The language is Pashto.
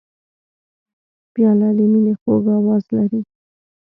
پیاله د مینې خوږ آواز لري.